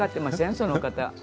その方。